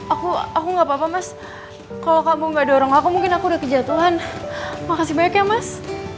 aku aku nggak papa mas kalau kamu nggak dorong aku mungkin aku udah kejatuhan makasih banyak ya mas